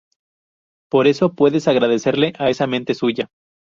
Por eso, puedes agradecerle a esa mente suya.